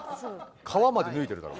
皮まで脱いでるだろ。